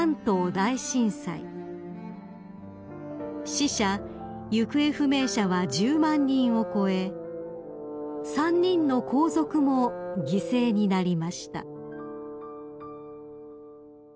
［死者・行方不明者は１０万人を超え３人の皇族も犠牲になりました］